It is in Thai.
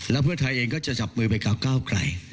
และเพื่อไทยเองก็จะจับมือไปเก้าไข่